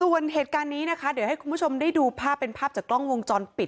ส่วนเหตุการณ์นี้นะคะเดี๋ยวให้คุณผู้ชมได้ดูภาพเป็นภาพจากกล้องวงจรปิด